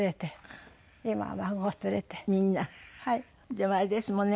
でもあれですもんね